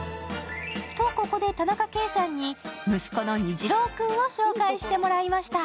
と、ここで田中圭さんに息子の虹朗君を紹介していただきました。